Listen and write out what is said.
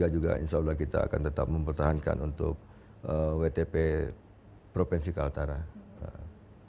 dua ribu dua puluh tiga juga insya allah kita akan tetap mempertahankan untuk wtp provinsi kelimatan utara